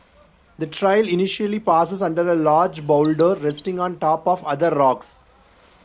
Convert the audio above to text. The trail initially passes under a large boulder resting on top of other rocks.